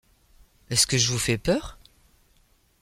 Est-ce que je vous fais peur ?